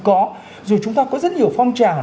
có rồi chúng ta có rất nhiều phong trào